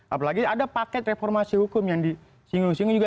apalagi ada paket reformasi hukum yang disingung singung